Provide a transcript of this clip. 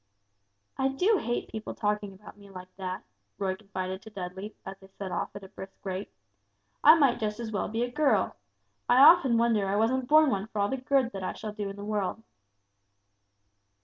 "I do hate people talking about me like that," Roy confided to Dudley as they set off at a brisk rate; "I might just as well be a girl. I often wonder I wasn't born one for all the good that I shall do in the world."